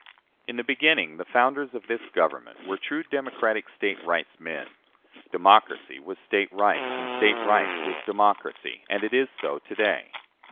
In the beginning the founders of this Government were true democratic State rights men. Democracy was State rights, and State rights was democracy, and it is so to day.